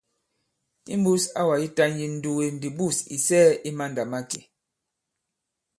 Imbūs awà yitan yi ǹnduge ndi bûs ì sɛɛ̄ i mandàmakè.